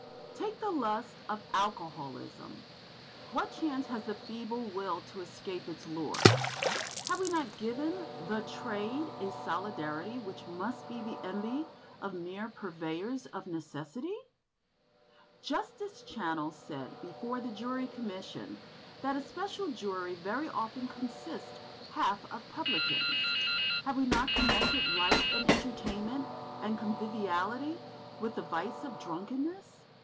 Take the lust of alcoholism. What chance has the feeble will to escape its lure? Have we not given "The Trade" a solidarity which must be the envy of mere purveyors of necessities? (Mr. Justice Channell said before the Jury Commission that a special jury very often consists half of publicans.) Have we not connected light and entertainment and conviviality with the vice of drunkenness?